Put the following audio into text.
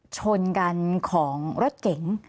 ชนกันของรถเก๋ง